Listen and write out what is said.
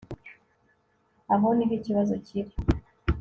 aho niho ikibazo kiri